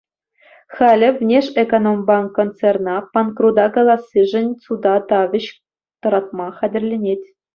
Халӗ «Внешэкономбанк» концерна панкрута калассишӗн суда тавӑҫ тӑратма хатӗрленет.